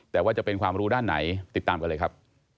แต่ว่าจะเป็นความรู้ด้านไหนติดตามกันเลยครับ